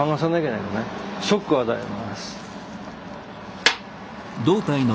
ショックを与えます。